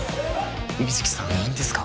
水樹さんいいんですか？